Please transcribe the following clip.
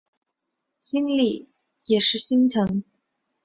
心里也是心疼